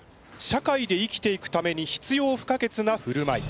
社会で生きていくために必要不可欠なふるまい。